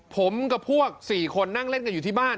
ผมกับพวก๔คนนั่งเล่นกันอยู่ที่บ้าน